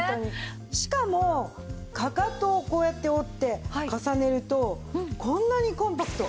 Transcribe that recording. しかもかかとをこうやって折って重ねるとこんなにコンパクト。